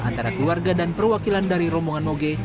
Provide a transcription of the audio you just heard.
antara keluarga dan perwakilan dari rombongan moge